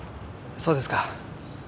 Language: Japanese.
そうですか。